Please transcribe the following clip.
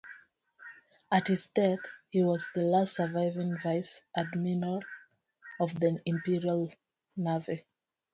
At his death, he was the last surviving vice-admiral of the Imperial Navy.